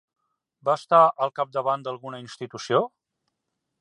Va estar al capdavant d'alguna institució?